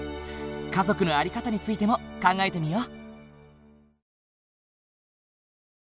家族の在り方についても考えてみよう。